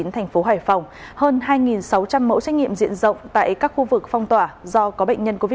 thành phố hải phòng hơn hai sáu trăm linh mẫu trách nhiệm diện rộng tại các khu vực phong tỏa do có bệnh nhân covid một mươi chín